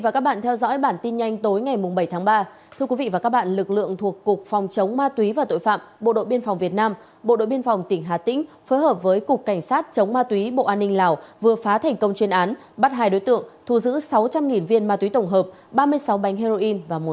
cảm ơn các bạn đã theo dõi